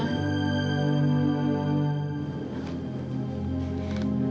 saya pasti sedih